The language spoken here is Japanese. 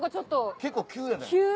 結構急やね。